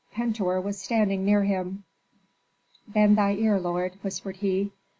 Pentuer was standing near him. "Bend thy ear, lord," whispered he.